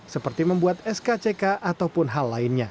seperti membuat skck ataupun hal lainnya